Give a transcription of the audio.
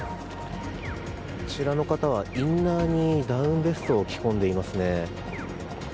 こちらの方は、インナーにダウンベストを着こんでいますね。